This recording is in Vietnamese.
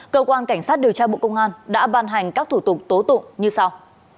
cơ quan cảnh sát điều tra bộ công an đã ban hành các thủ tục tố tụng như sau